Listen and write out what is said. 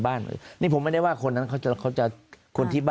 วันนี้ไม่ใช่ผมพูดเองนะครับ